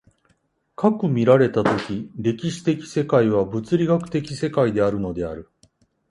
斯く見られた時、歴史的世界は物理学的世界であるのである、